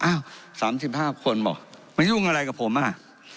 อ้าว๓๕คนเหรอมันยุ่งอะไรกับผมอ่ะ